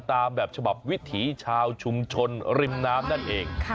ตามแบบฉบับวิถีชาวชุมชนริมน้ำนั่นเอง